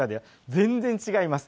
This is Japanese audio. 全然違います。